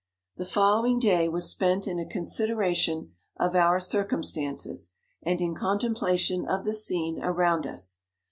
The following day was spent in a consideration of our circumstances, and in contemplation of the scene around us.